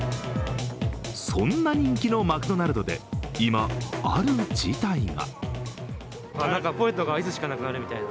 そんな人気のマクドナルドで今、ある事態が。